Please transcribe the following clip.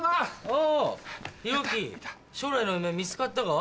お拓紀将来の夢見つかったか？